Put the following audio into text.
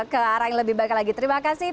ke arah yang lebih baik lagi terima kasih